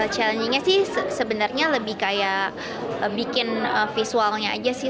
challengingnya sih sebenarnya lebih kayak bikin visualnya aja sih